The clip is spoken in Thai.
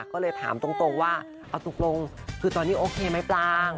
ก็เลยถามตรงว่าเอาตกลงคือตอนนี้โอเคไหมปลาง